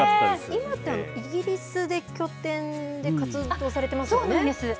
今、イギリスで拠点で活動されてますよね。